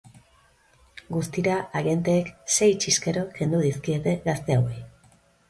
Guztira, agenteek sei txiskero kendu dizkiete gazte hauei.